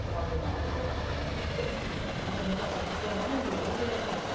ただまだ打球は前には飛んでいません。